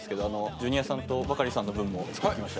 ジュニアさんとバカリさんの分も作ってきましたよ。